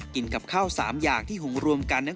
กับข้าว๓อย่างที่หุงรวมกัน